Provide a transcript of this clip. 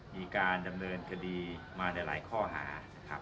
มีการดำเนินคดีมาในหลายข้อหา